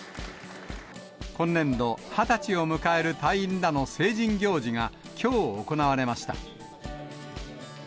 今年度、２０歳を迎える隊員らの成人行事がきょう行われました。